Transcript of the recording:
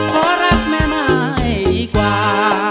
ขอรักแม่ไม้ดีกว่า